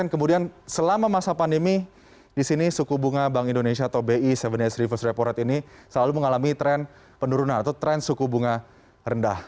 kemudian selama masa pandemi di sini suku bunga bank indonesia atau bi tujuh s reverse repo rate ini selalu mengalami tren penurunan atau tren suku bunga rendah